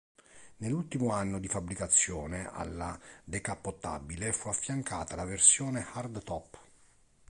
Nell'ultimo anno di fabbricazione alla decappottabile fu affiancata la versione hard-top.